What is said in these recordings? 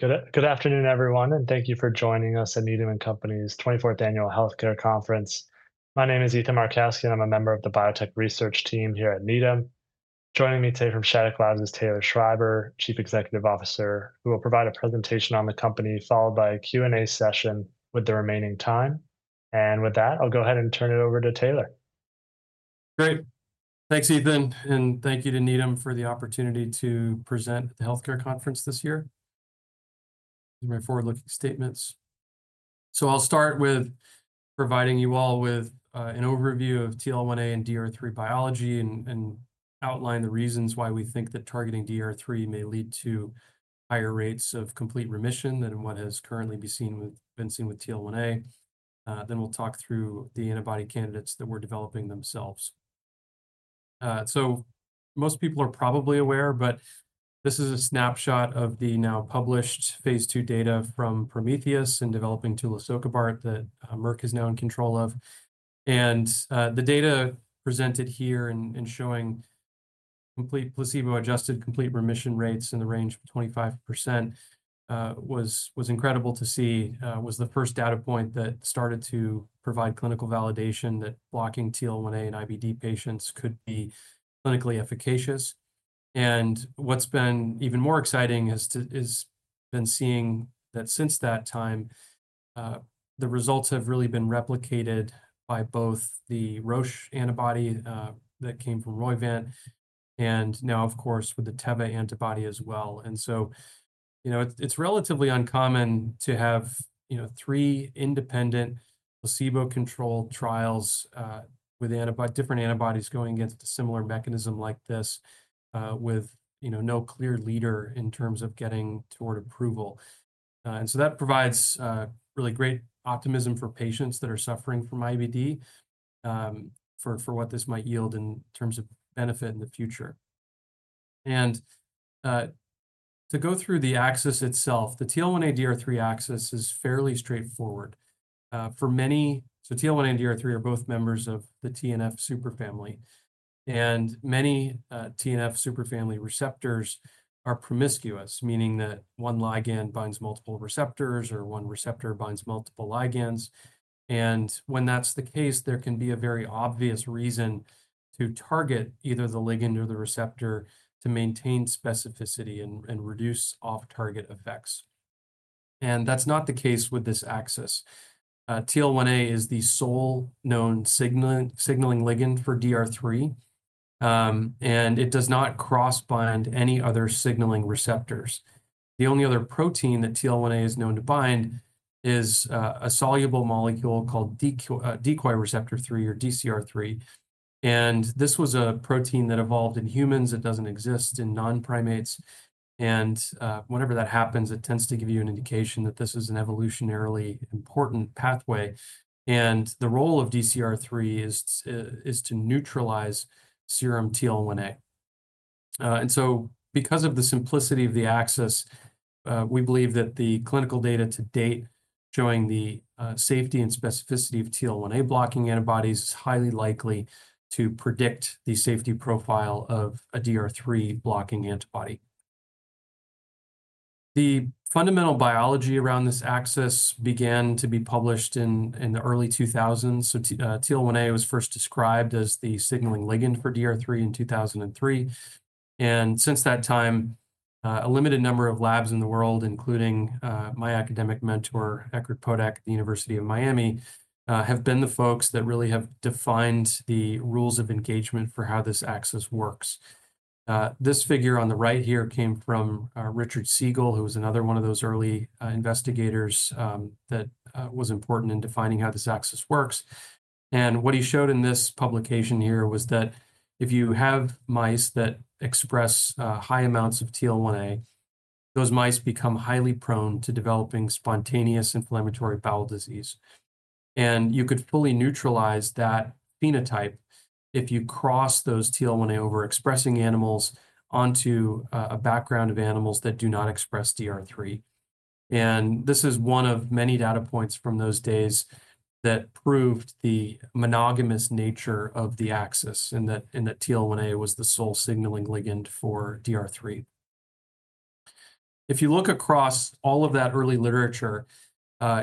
Good afternoon, everyone, and thank you for joining us at Needham & Company's 24th Annual Healthcare Conference. My name is Ethan Markowski, and I'm a member of the Biotech Research Team here at Needham. Joining me today from Shattuck Labs is Taylor Schreiber, Chief Executive Officer, who will provide a presentation on the company, followed by a Q&A session with the remaining time. With that, I'll go ahead and turn it over to Taylor. Great. Thanks, Ethan, and thank you to Needham for the opportunity to present at the healthcare conference this year. These are my forward-looking statements. I'll start with providing you all with an overview of TL1A and DR3 biology and outline the reasons why we think that targeting DR3 may lead to higher rates of complete remission than what has currently been seen with TL1A. We'll talk through the antibody candidates that we're developing themselves. Most people are probably aware, but this is a snapshot of the now published phase 2 data from Prometheus and developing tulisokibart that Merck is now in control of. The data presented here and showing complete placebo-adjusted complete remission rates in the range of 25% was incredible to see, was the first data point that started to provide clinical validation that blocking TL1A in IBD patients could be clinically efficacious. What's been even more exciting has been seeing that since that time, the results have really been replicated by both the Roche antibody that came from Roivant and now, of course, with the Teva antibody as well. You know, it's relatively uncommon to have three independent placebo-controlled trials with different antibodies going against a similar mechanism like this, with no clear leader in terms of getting toward approval. That provides really great optimism for patients that are suffering from IBD for what this might yield in terms of benefit in the future. To go through the axis itself, the TL1A-DR3 axis is fairly straightforward. For many, TL1A and DR3 are both members of the TNF superfamily. Many TNF superfamily receptors are promiscuous, meaning that one ligand binds multiple receptors or one receptor binds multiple ligands. When that's the case, there can be a very obvious reason to target either the ligand or the receptor to maintain specificity and reduce off-target effects. That's not the case with this axis. TL1A is the sole known signaling ligand for DR3, and it does not cross-bind any other signaling receptors. The only other protein that TL1A is known to bind is a soluble molecule called decoy receptor 3 or DcR3. This was a protein that evolved in humans. It doesn't exist in non-primates. Whenever that happens, it tends to give you an indication that this is an evolutionarily important pathway. The role of DcR3 is to neutralize serum TL1A. Because of the simplicity of the axis, we believe that the clinical data to date showing the safety and specificity of TL1A blocking antibodies is highly likely to predict the safety profile of a DR3 blocking antibody. The fundamental biology around this axis began to be published in the early 2000s. TL1A was first described as the signaling ligand for DR3 in 2003. Since that time, a limited number of labs in the world, including my academic mentor, Eckhard Podack, at the University of Miami, have been the folks that really have defined the rules of engagement for how this axis works. This figure on the right here came from Richard Siegel, who was another one of those early investigators that was important in defining how this axis works. What he showed in this publication here was that if you have mice that express high amounts of TL1A, those mice become highly prone to developing spontaneous inflammatory bowel disease. You could fully neutralize that phenotype if you cross those TL1A overexpressing animals onto a background of animals that do not express DR3. This is one of many data points from those days that proved the monogamous nature of the axis and that TL1A was the sole signaling ligand for DR3. If you look across all of that early literature,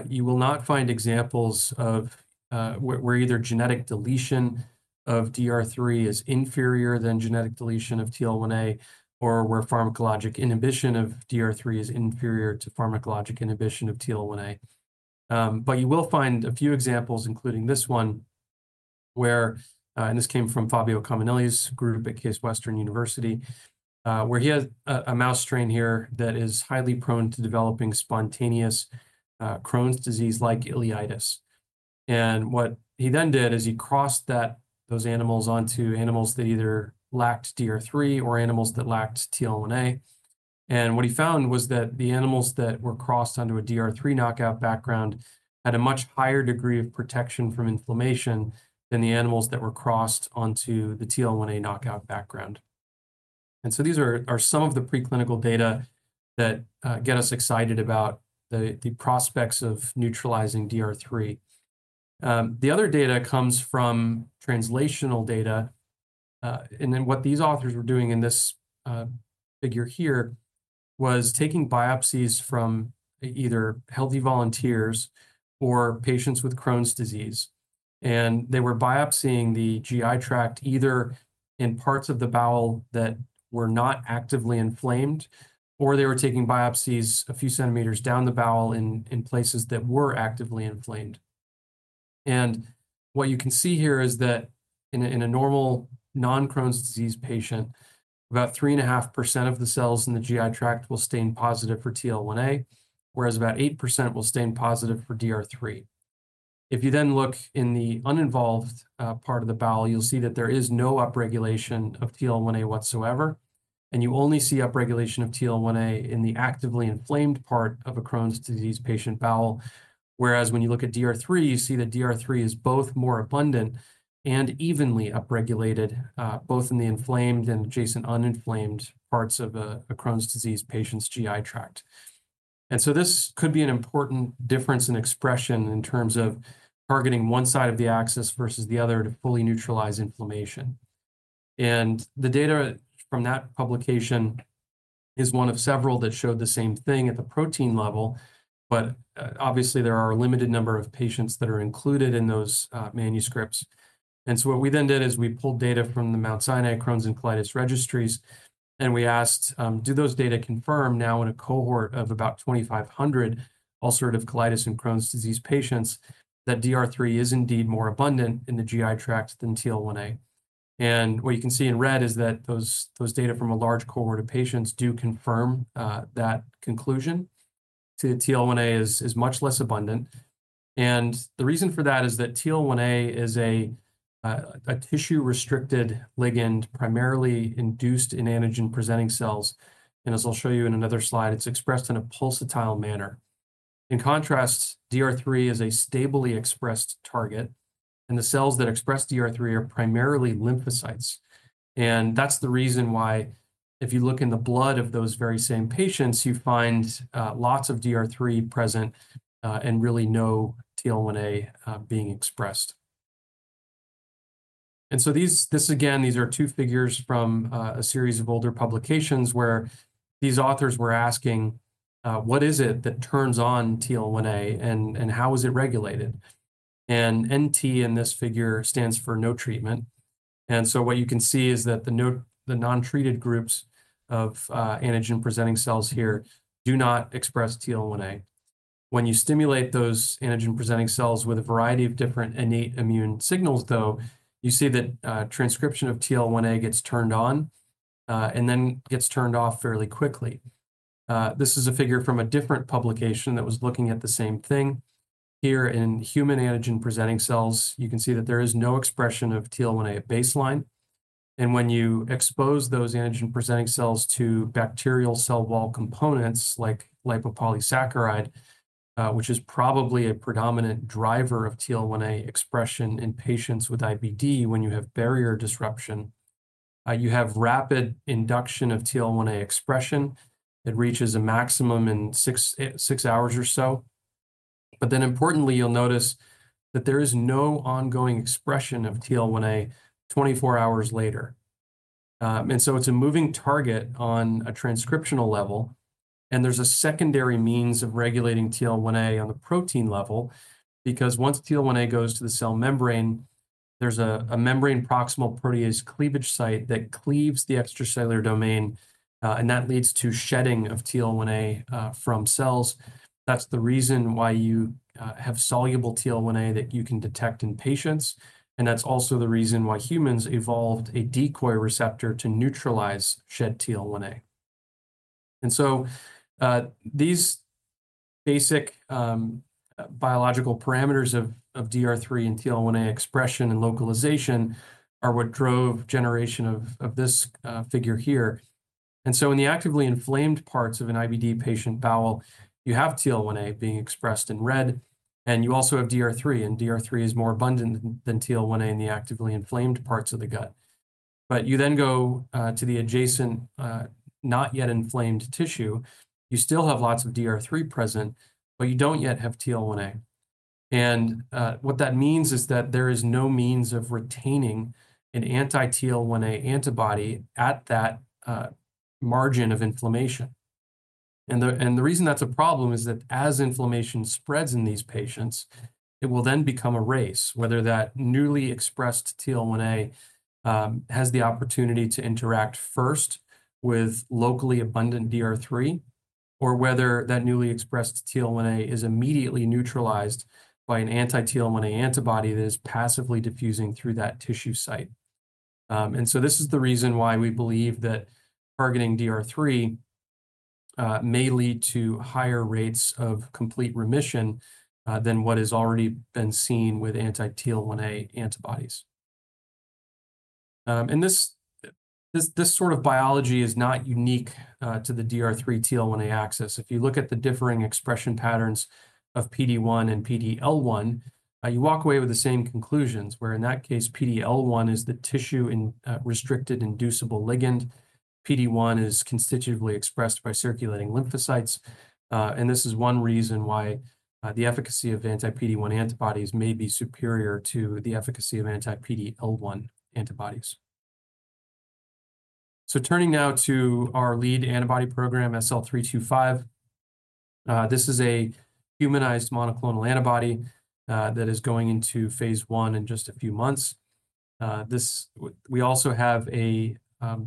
you will not find examples of where either genetic deletion of DR3 is inferior than genetic deletion of TL1A or where pharmacologic inhibition of DR3 is inferior to pharmacologic inhibition of TL1A. You will find a few examples, including this one, where this came from Fabio Cominelli's group at Case Western Reserve University, where he has a mouse strain here that is highly prone to developing spontaneous Crohn's disease-like ileitis. What he then did is he crossed those animals onto animals that either lacked DR3 or animals that lacked TL1A. What he found was that the animals that were crossed onto a DR3 knockout background had a much higher degree of protection from inflammation than the animals that were crossed onto the TL1A knockout background. These are some of the preclinical data that get us excited about the prospects of neutralizing DR3. The other data comes from translational data. What these authors were doing in this figure here was taking biopsies from either healthy volunteers or patients with Crohn's disease. They were biopsying the GI tract either in parts of the bowel that were not actively inflamed, or they were taking biopsies a few centimeters down the bowel in places that were actively inflamed. What you can see here is that in a normal non-Crohn's disease patient, about 3.5% of the cells in the GI tract will stain positive for TL1A, whereas about 8% will stain positive for DR3. If you then look in the uninvolved part of the bowel, you'll see that there is no upregulation of TL1A whatsoever. You only see upregulation of TL1A in the actively inflamed part of a Crohn's disease patient bowel. Whereas when you look at DR3, you see that DR3 is both more abundant and evenly upregulated, both in the inflamed and adjacent uninflamed parts of a Crohn's disease patient's GI tract. This could be an important difference in expression in terms of targeting one side of the axis versus the other to fully neutralize inflammation. The data from that publication is one of several that showed the same thing at the protein level, but obviously there are a limited number of patients that are included in those manuscripts. What we then did is we pulled data from the Mount Sinai Crohn's and Colitis registries, and we asked, do those data confirm now in a cohort of about 2,500 ulcerative colitis and Crohn's disease patients that DR3 is indeed more abundant in the GI tract than TL1A? What you can see in red is that those data from a large cohort of patients do confirm that conclusion. TL1A is much less abundant. The reason for that is that TL1A is a tissue-restricted ligand primarily induced in antigen-presenting cells. As I'll show you in another slide, it's expressed in a pulsatile manner. In contrast, DR3 is a stably expressed target, and the cells that express DR3 are primarily lymphocytes. That's the reason why if you look in the blood of those very same patients, you find lots of DR3 present and really no TL1A being expressed. This, again, these are two figures from a series of older publications where these authors were asking, what is it that turns on TL1A and how is it regulated? NT in this figure stands for no treatment. What you can see is that the non-treated groups of antigen-presenting cells here do not express TL1A. When you stimulate those antigen-presenting cells with a variety of different innate immune signals, though, you see that transcription of TL1A gets turned on and then gets turned off fairly quickly. This is a figure from a different publication that was looking at the same thing. Here in human antigen-presenting cells, you can see that there is no expression of TL1A at baseline. When you expose those antigen-presenting cells to bacterial cell wall components like lipopolysaccharide, which is probably a predominant driver of TL1A expression in patients with IBD when you have barrier disruption, you have rapid induction of TL1A expression that reaches a maximum in six hours or so. Importantly, you'll notice that there is no ongoing expression of TL1A 24 hours later. It is a moving target on a transcriptional level. There is a secondary means of regulating TL1A on the protein level because once TL1A goes to the cell membrane, there is a membrane proximal protease cleavage site that cleaves the extracellular domain, and that leads to shedding of TL1A from cells. That is the reason why you have soluble TL1A that you can detect in patients. That is also the reason why humans evolved a decoy receptor to neutralize shed TL1A. These basic biological parameters of DR3 and TL1A expression and localization are what drove generation of this figure here. In the actively inflamed parts of an IBD patient bowel, you have TL1A being expressed in red, and you also have DR3, and DR3 is more abundant than TL1A in the actively inflamed parts of the gut. You then go to the adjacent not yet inflamed tissue, you still have lots of DR3 present, but you do not yet have TL1A. What that means is that there is no means of retaining an anti-TL1A antibody at that margin of inflammation. The reason that is a problem is that as inflammation spreads in these patients, it will then become a race, whether that newly expressed TL1A has the opportunity to interact first with locally abundant DR3, or whether that newly expressed TL1A is immediately neutralized by an anti-TL1A antibody that is passively diffusing through that tissue site. This is the reason why we believe that targeting DR3 may lead to higher rates of complete remission than what has already been seen with anti-TL1A antibodies. This sort of biology is not unique to the DR3-TL1A axis. If you look at the differing expression patterns of PD1 and PDL1, you walk away with the same conclusions, where in that case, PDL1 is the tissue-restricted inducible ligand. PD1 is constitutively expressed by circulating lymphocytes. This is one reason why the efficacy of anti-PD1 antibodies may be superior to the efficacy of anti-PDL1 antibodies. Turning now to our lead antibody program, SL325. This is a humanized monoclonal antibody that is going into phase one in just a few months. We also have a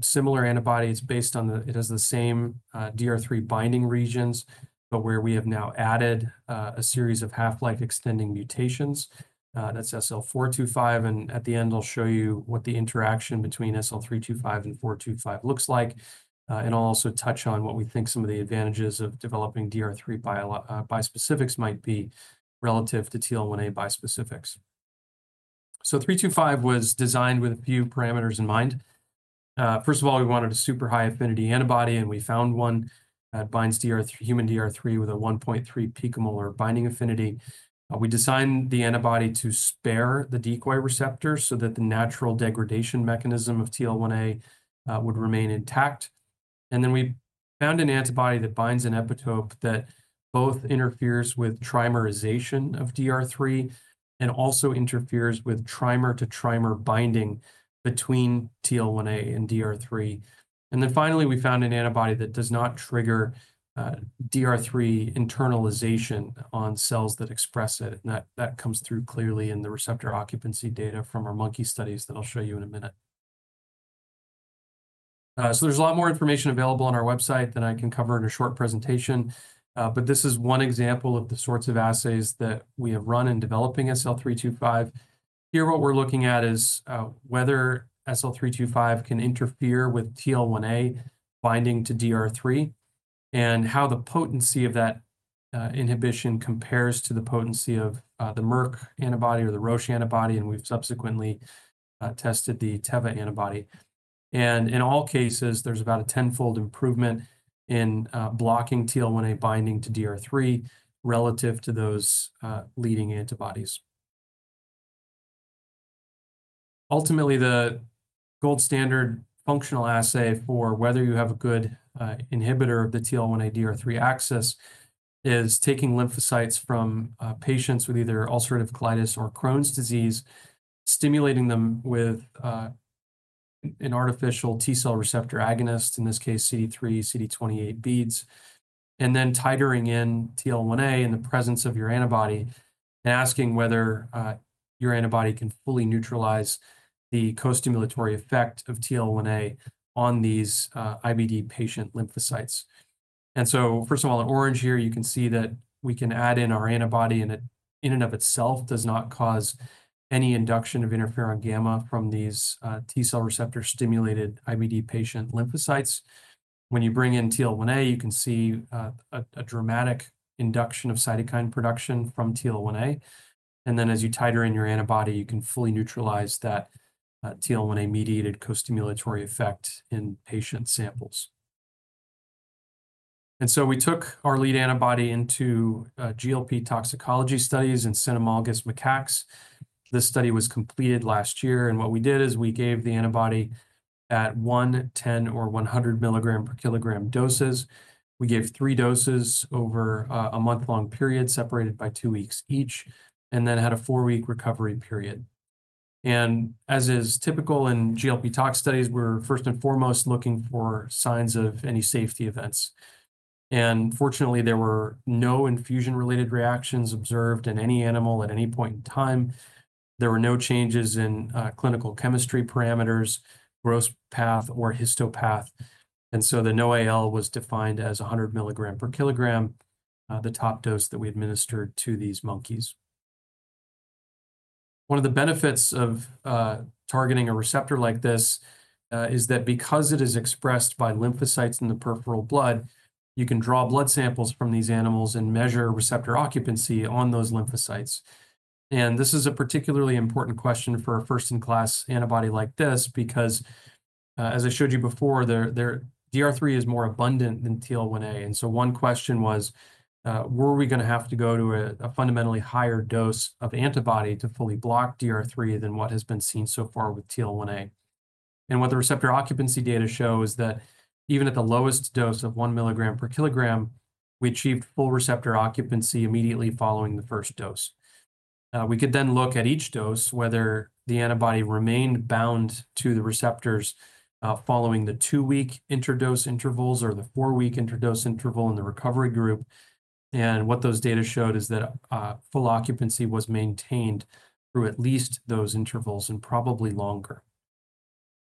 similar antibody. It has the same DR3 binding regions, but we have now added a series of half-life extending mutations. That's SL425. At the end, I'll show you what the interaction between SL325 and 425 looks like. I'll also touch on what we think some of the advantages of developing DR3 bispecifics might be relative to TL1A bispecifics. SL325 was designed with a few parameters in mind. First of all, we wanted a superhigh-affinity antibody, and we found one that binds human DR3 with a 1.3 picomolar binding affinity. We designed the antibody to spare the decoy receptor so that the natural degradation mechanism of TL1A would remain intact. We found an antibody that binds an epitope that both interferes with trimerization of DR3 and also interferes with trimer-to-trimer binding between TL1A and DR3. Finally, we found an antibody that does not trigger DR3 internalization on cells that express it. That comes through clearly in the receptor occupancy data from our monkey studies that I'll show you in a minute. There is a lot more information available on our website than I can cover in a short presentation. This is one example of the sorts of assays that we have run in developing SL325. Here, what we are looking at is whether SL325 can interfere with TL1A binding to DR3 and how the potency of that inhibition compares to the potency of the Merck antibody or the Roche antibody. We have subsequently tested the Teva antibody. In all cases, there is about a tenfold improvement in blocking TL1A binding to DR3 relative to those leading antibodies. Ultimately, the gold standard functional assay for whether you have a good inhibitor of the TL1A DR3 axis is taking lymphocytes from patients with either ulcerative colitis or Crohn's disease, stimulating them with an artificial T cell receptor agonist, in this case, CD3, CD28 beads, and then titrating in TL1A in the presence of your antibody and asking whether your antibody can fully neutralize the co-stimulatory effect of TL1A on these IBD patient lymphocytes. First of all, in orange here, you can see that we can add in our antibody, and it, in and of itself, does not cause any induction of interferon gamma from these T cell receptor-stimulated IBD patient lymphocytes. When you bring in TL1A, you can see a dramatic induction of cytokine production from TL1A. As you titrate in your antibody, you can fully neutralize that TL1A-mediated co-stimulatory effect in patient samples. We took our lead antibody into GLP toxicology studies in cynomolgus macaques. This study was completed last year. What we did is we gave the antibody at one, 10, or 100 milligrams per kilogram doses. We gave three doses over a month-long period separated by two weeks each, and then had a four-week recovery period. As is typical in GLP tox studies, we're first and foremost looking for signs of any safety events. Fortunately, there were no infusion-related reactions observed in any animal at any point in time. There were no changes in clinical chemistry parameters, gross path, or histopath. The NoAL was defined as 100 milligrams per kilogram, the top dose that we administered to these monkeys. One of the benefits of targeting a receptor like this is that, because it is expressed by lymphocytes in the peripheral blood, you can draw blood samples from these animals and measure receptor occupancy on those lymphocytes. This is a particularly important question for a first-in-class antibody like this because, as I showed you before, DR3 is more abundant than TL1A. One question was, were we going to have to go to a fundamentally higher dose of antibody to fully block DR3 than what has been seen so far with TL1A? What the receptor occupancy data show is that even at the lowest dose of 1 mg per kg, we achieved full receptor occupancy immediately following the first dose. We could then look at each dose, whether the antibody remained bound to the receptors following the two-week interdose intervals or the four-week interdose interval in the recovery group. What those data showed is that full occupancy was maintained through at least those intervals and probably longer.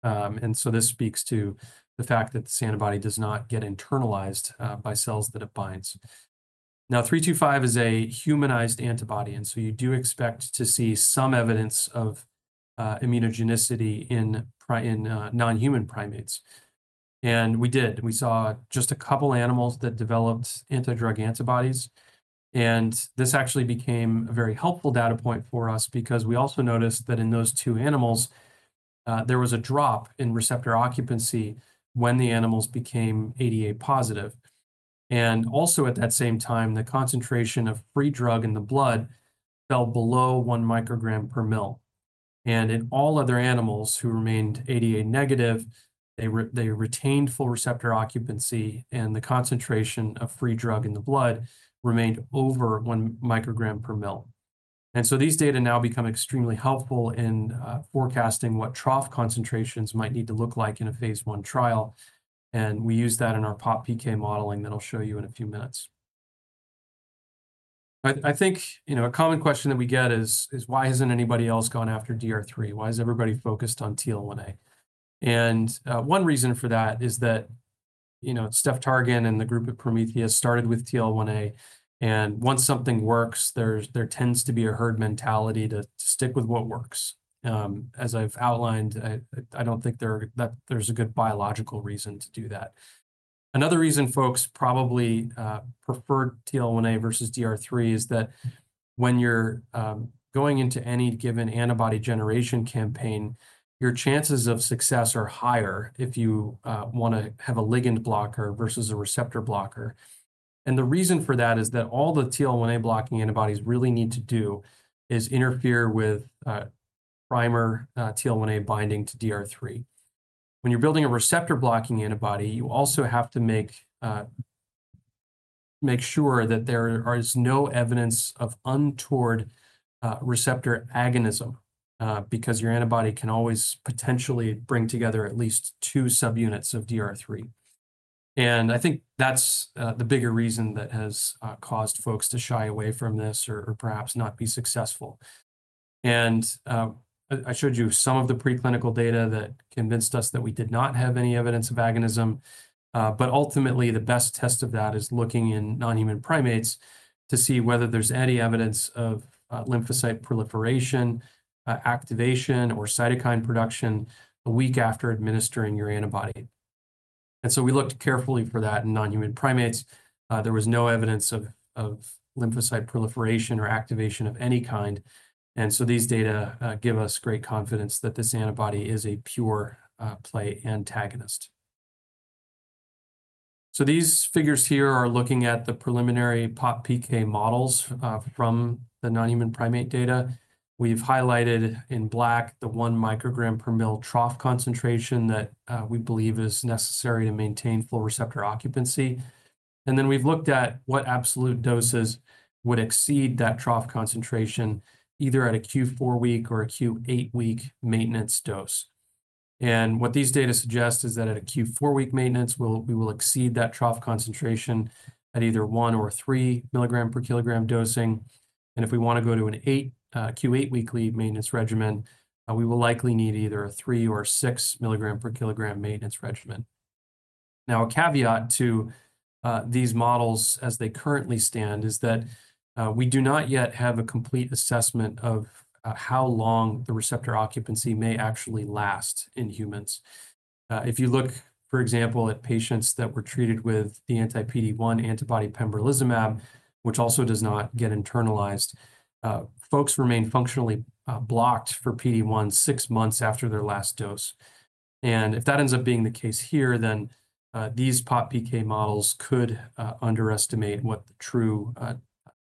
This speaks to the fact that this antibody does not get internalized by cells that it binds. Now, 325 is a humanized antibody, and you do expect to see some evidence of immunogenicity in non-human primates. We did. We saw just a couple of animals that developed antidrug antibodies. This actually became a very helpful data point for us because we also noticed that in those two animals, there was a drop in receptor occupancy when the animals became ADA positive. At that same time, the concentration of free drug in the blood fell below one microgram per mil. In all other animals who remained ADA negative, they retained full receptor occupancy, and the concentration of free drug in the blood remained over one microgram per mil. These data now become extremely helpful in forecasting what trough concentrations might need to look like in a phase one trial. We use that in our POPPK modeling that I'll show you in a few minutes. I think a common question that we get is, why hasn't anybody else gone after DR3? Why is everybody focused on TL1A? One reason for that is that Stephan Targan and the group at Prometheus started with TL1A. Once something works, there tends to be a herd mentality to stick with what works. As I've outlined, I don't think there's a good biological reason to do that. Another reason folks probably preferred TL1A versus DR3 is that when you're going into any given antibody generation campaign, your chances of success are higher if you want to have a ligand blocker versus a receptor blocker. The reason for that is that all the TL1A blocking antibodies really need to do is interfere with primer TL1A binding to DR3. When you're building a receptor blocking antibody, you also have to make sure that there is no evidence of untoward receptor agonism because your antibody can always potentially bring together at least two subunits of DR3. I think that's the bigger reason that has caused folks to shy away from this or perhaps not be successful. I showed you some of the preclinical data that convinced us that we did not have any evidence of agonism. Ultimately, the best test of that is looking in non-human primates to see whether there is any evidence of lymphocyte proliferation, activation, or cytokine production a week after administering your antibody. We looked carefully for that in non-human primates. There was no evidence of lymphocyte proliferation or activation of any kind. These data give us great confidence that this antibody is a pure play antagonist. These figures here are looking at the preliminary POPPK models from the non-human primate data. We have highlighted in black the one microgram per milliliter trough concentration that we believe is necessary to maintain full receptor occupancy. We have looked at what absolute doses would exceed that trough concentration, either at a Q4 week or a Q8 week maintenance dose. What these data suggest is that at a Q4 week maintenance, we will exceed that trough concentration at either one or three milligrams, per kilogram dosing. If we want to go to a Q8 weekly maintenance regimen, we will likely need either a three or six milligram per kilogram maintenance regimen. A caveat to these models as they currently stand, is that we do not yet have a complete assessment of how long the receptor occupancy may actually last in humans. If you look, for example, at patients that were treated with the anti-PD1 antibody pembrolizumab, which also does not get internalized, folks remain functionally blocked for PD1 six months after their last dose. If that ends up being the case here, then these POPPK models could underestimate what the true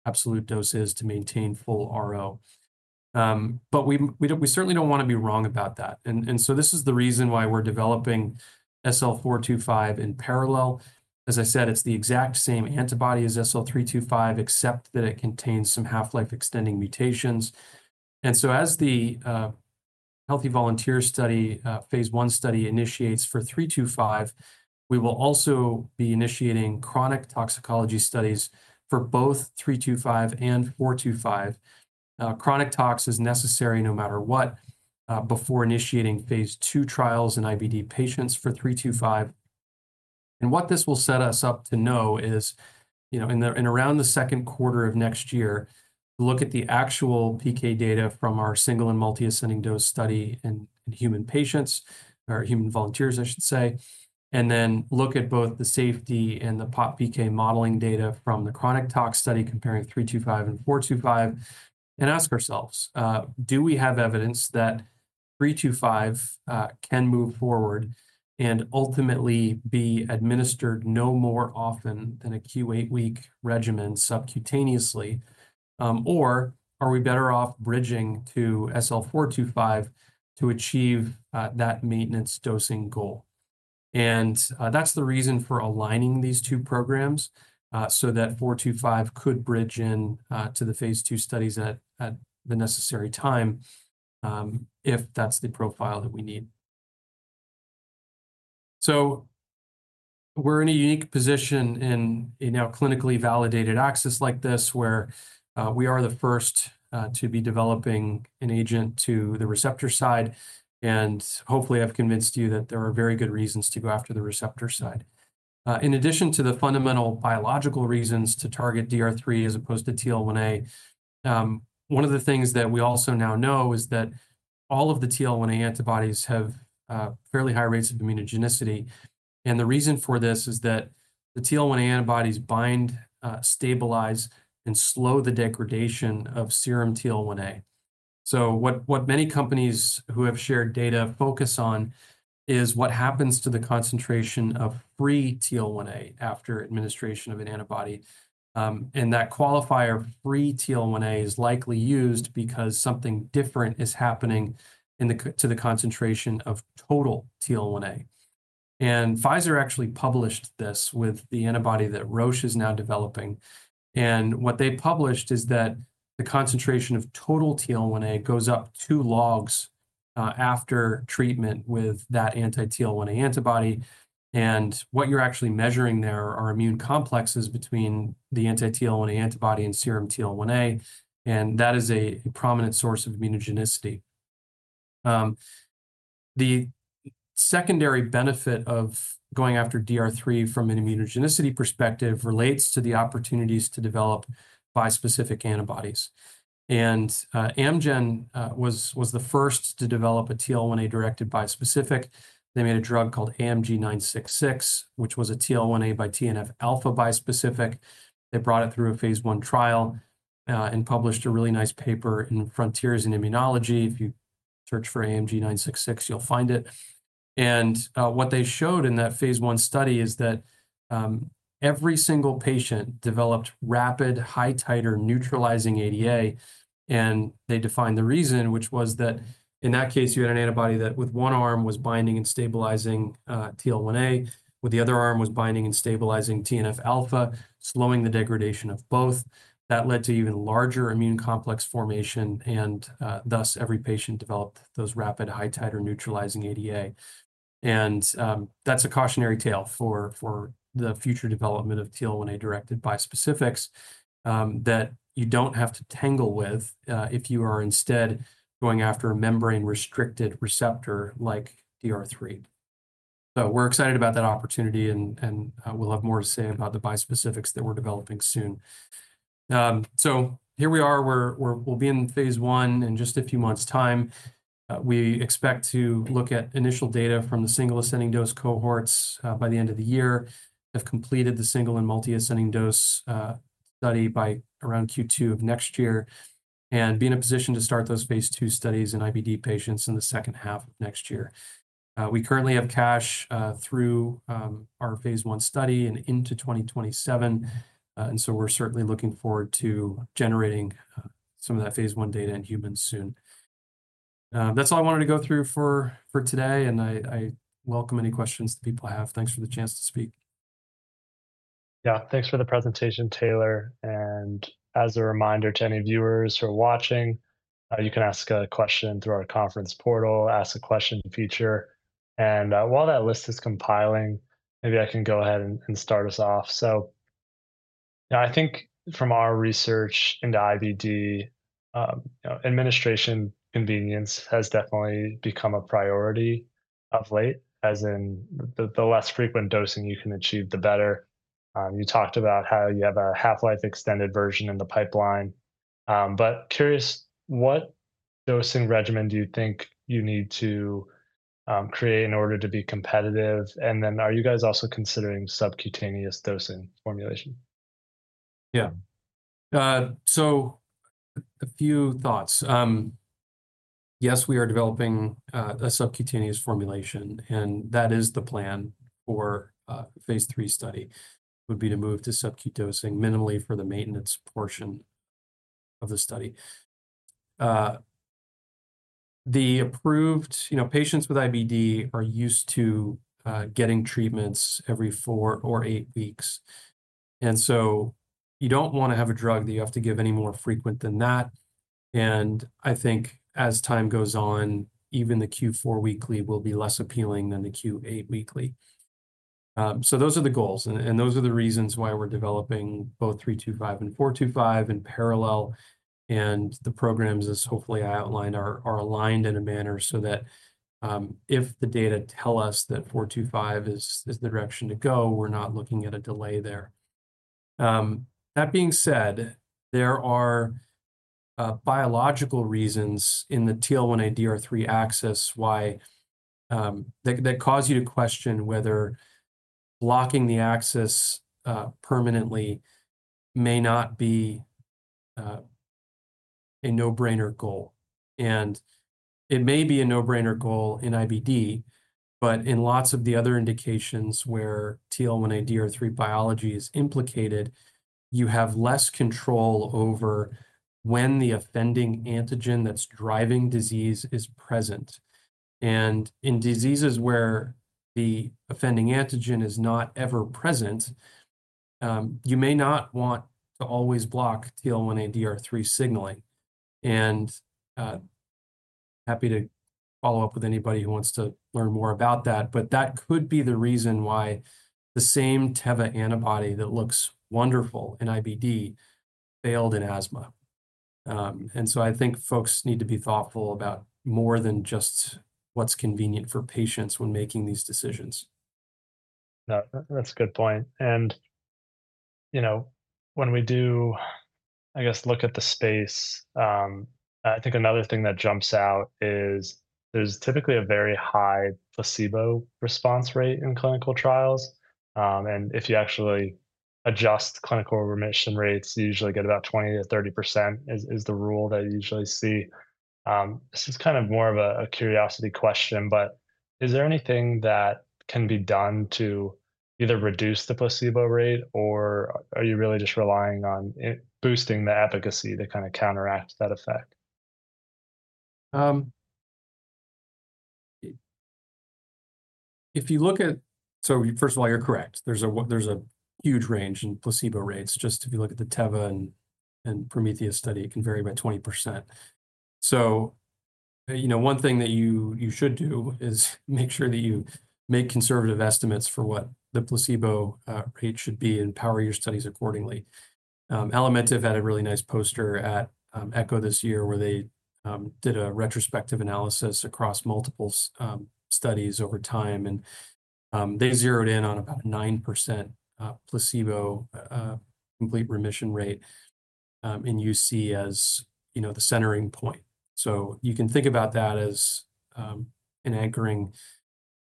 absolute dose is to maintain full RO. We certainly do not want to be wrong about that. This is the reason why we are developing SL425 in parallel. As I said, it is the exact same antibody as SL325, except that it contains some half-life extending mutations. As the Healthy Volunteer phase one study initiates for 325, we will also be initiating chronic toxicology studies for both 325 and 425. Chronic tox is necessary no matter what before initiating phase two trials in IBD patients for 325. What this will set us up to know is in around the second quarter of next year, look at the actual PK data from our single and multi-ascending dose study in human patients, or human volunteers, I should say, and then look at both the safety and the POPPK modeling data from the chronic tox study comparing 325 and 425, and ask ourselves, do we have evidence that 325 can move forward and ultimately be administered no more often than a Q8 week regimen subcutaneously, or are we better off bridging to SL425 to achieve that maintenance dosing goal? That is the reason for aligning these two programs so that 425 could bridge in to the phase two studies at the necessary time if that is the profile that we need. We're in a unique position in a now clinically validated axis like this where we are the first to be developing an agent to the receptor side, and hopefully, I've convinced you that there are very good reasons to go after the receptor side. In addition to the fundamental biological reasons to target DR3 as opposed to TL1A, one of the things that we also now know is that all of the TL1A antibodies have fairly high rates of immunogenicity. The reason for this is that the TL1A antibodies bind, stabilize, and slow the degradation of serum TL1A. What many companies who have shared data focus on is what happens to the concentration of free TL1A after administration of an antibody. That qualifier free TL1A is likely used because something different is happening to the concentration of total TL1A. Pfizer actually published this with the antibody that Roche is now developing. What they published is that the concentration of total TL1A goes up two logs after treatment with that anti-TL1A antibody. What you're actually measuring there are immune complexes between the anti-TL1A antibody and serum TL1A, and that is a prominent source of immunogenicity. The secondary benefit of going after DR3 from an immunogenicity perspective relates to the opportunities to develop bispecific antibodies. Amgen was the first to develop a TL1A-directed bispecific. They made a drug called AMG966, which was a TL1A by TNF alpha bispecific. They brought it through a phase one trial and published a really nice paper in Frontiers in Immunology. If you search for AMG966, you'll find it. What they showed in that phase one study is that every single patient developed rapid, high-titer neutralizing ADA, and they defined the reason, which was that in that case, you had an antibody that with one arm was binding and stabilizing TL1A, with the other arm was binding and stabilizing TNF alpha, slowing the degradation of both. That led to even larger immune complex formation, and thus every patient developed those rapid, high-titer neutralizing ADA. That is a cautionary tale for the future development of TL1A-directed bispecifics that you do not have to tangle with if you are instead going after a membrane-restricted receptor like DR3. We are excited about that opportunity, and we will have more to say about the bispecifics that we are developing soon. Here we are. We will be in phase one in just a few months' time. We expect to look at initial data from the single ascending dose cohorts by the end of the year, have completed the single and multi-ascending dose study by around Q2 of next year, and be in a position to start those phase two studies in IBD patients in the second half of next year. We currently have cash through our phase one study and into 2027, and so we're certainly looking forward to generating some of that phase one data in humans soon. That's all I wanted to go through for today, and I welcome any questions that people have. Thanks for the chance to speak. Yeah, thanks for the presentation, Taylor. As a reminder to any viewers who are watching, you can ask a question through our conference portal, ask a question feature. While that list is compiling, maybe I can go ahead and start us off. I think from our research into IBD, administration convenience has definitely become a priority of late, as in the less frequent dosing you can achieve, the better. You talked about how you have a half-life extended version in the pipeline. Curious, what dosing regimen do you think you need to create in order to be competitive? Are you guys also considering subcutaneous dosing formulation? Yeah. A few thoughts. Yes, we are developing a subcutaneous formulation, and that is the plan for phase three study. It would be to move to subcu dosing minimally for the maintenance portion of the study. The approved patients with IBD are used to getting treatments every four or eight weeks. You do not want to have a drug that you have to give any more frequent than that. I think as time goes on, even the Q4 weekly will be less appealing than the Q8 weekly. Those are the goals, and those are the reasons why we're developing both 325 and 425 in parallel. The programs, as hopefully I outlined, are aligned in a manner so that if the data tell us that 425 is the direction to go, we're not looking at a delay there. That being said, there are biological reasons in the TL1A DR3 axis that cause you to question whether blocking the axis permanently may not be a no-brainer goal. It may be a no-brainer goal in IBD, but in lots of the other indications where TL1A DR3 biology is implicated, you have less control over when the offending antigen that's driving disease is present. In diseases where the offending antigen is not ever present, you may not want to always block TL1A DR3 signaling. I am happy to follow up with anybody who wants to learn more about that. That could be the reason why the same Teva antibody that looks wonderful in IBD failed in asthma. I think folks need to be thoughtful about more than just what is convenient for patients when making these decisions. That is a good point. When we do, I guess, look at the space, I think another thing that jumps out is there is typically a very high placebo response rate in clinical trials. If you actually adjust clinical remission rates, you usually get about 20-30% is the rule that you usually see. This is kind of more of a curiosity question, but is there anything that can be done to either reduce the placebo rate, or are you really just relying on boosting the efficacy to kind of counteract that effect? If you look at, so first of all, you're correct. There's a huge range in placebo rates. Just if you look at the Teva and Prometheus study, it can vary by 20%. One thing that you should do is make sure that you make conservative estimates for what the placebo rate should be and power your studies accordingly. Alimentiv had a really nice poster at Echo this year where they did a retrospective analysis across multiple studies over time, and they zeroed in on about a 9% placebo complete remission rate in UC as the centering point. You can think about that as an anchoring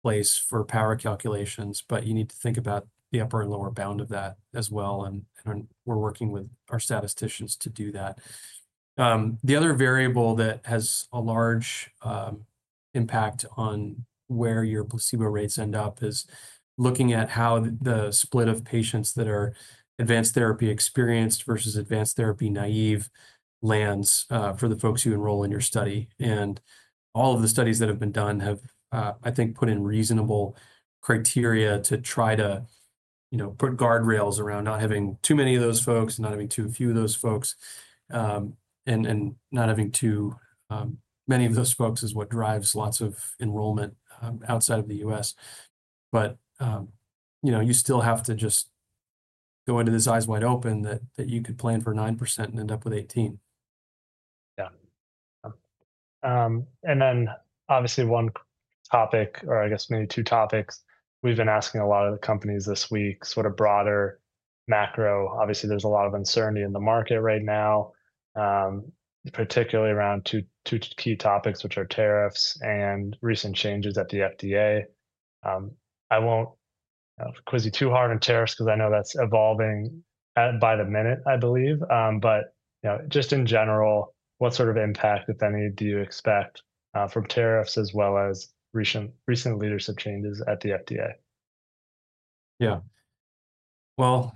place for power calculations, but you need to think about the upper and lower bound of that as well. We are working with our statisticians to do that. The other variable that has a large impact on where your placebo rates end up is looking at how the split of patients that are advanced therapy experienced versus advanced therapy naive lands for the folks who enroll in your study. All of the studies that have been done have, I think, put in reasonable criteria to try to put guardrails around not having too many of those folks, not having too few of those folks, and not having too many of those folks is what drives lots of enrollment outside of the U.S. You still have to just go into this eyes wide open that you could plan for 9% and end up with 18%. Yeah. Obviously, one topic, or I guess maybe two topics, we've been asking a lot of the companies this week, sort of broader macro. Obviously, there's a lot of uncertainty in the market right now, particularly around two key topics, which are tariffs and recent changes at the FDA. I won't quiz you too hard on tariffs because I know that's evolving by the minute, I believe. Just in general, what sort of impact, if any, do you expect from tariffs as well as recent leadership changes at the FDA? Yeah. All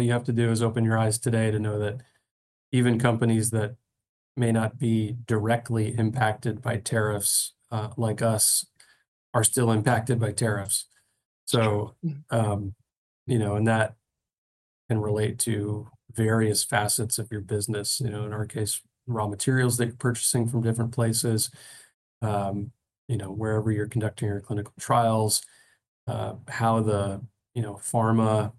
you have to do is open your eyes today to know that even companies that may not be directly impacted by tariffs like us are still impacted by tariffs. That can relate to various facets of your business, in our case, raw materials that you're purchasing from different places, wherever you're conducting your clinical trials, how the pharma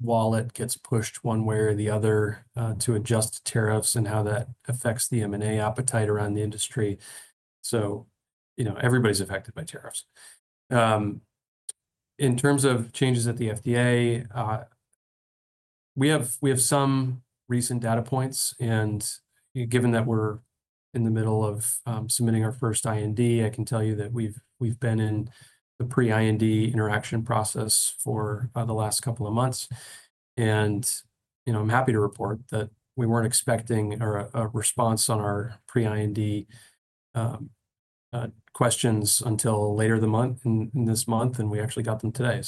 wallet gets pushed one way or the other to adjust tariffs, and how that affects the M&A appetite around the industry. Everybody's affected by tariffs. In terms of changes at the FDA, we have some recent data points. Given that we're in the middle of submitting our first IND, I can tell you that we've been in the pre-IND interaction process for the last couple of months. I'm happy to report that we weren't expecting a response on our pre-IND questions until later this month, and we actually got them today.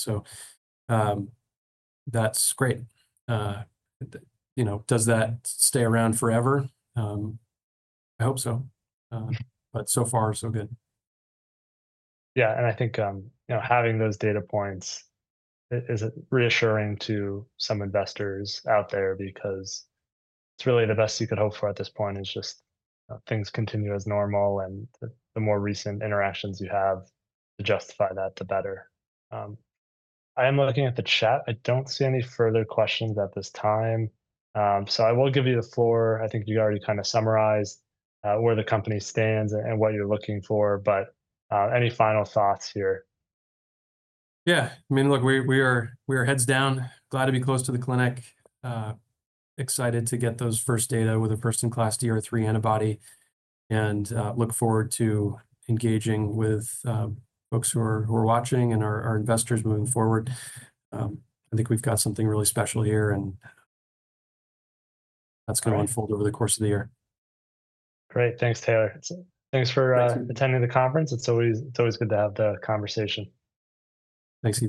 That's great. Does that stay around forever? I hope so. So far, so good. Yeah. I think having those data points is reassuring to some investors out there because it's really the best you could hope for at this point is just things continue as normal, and the more recent interactions you have to justify that, the better. I am looking at the chat. I do not see any further questions at this time. I will give you the floor. I think you already kind of summarized where the company stands and what you're looking for. Any final thoughts here? Yeah. I mean, look, we are heads down, glad to be close to the clinic, excited to get those first data with a first-in-class DR3 antibody, and look forward to engaging with folks who are watching and our investors moving forward. I think we've got something really special here, and that's going to unfold over the course of the year. Great. Thanks, Taylor. Thanks for attending the conference. It's always good to have the conversation. Thanks. You too.